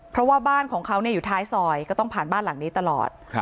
เพราะว่าบ้านของเขาอยู่ท้ายซอยก็ต้องผ่านบ้านหลังนี้ตลอด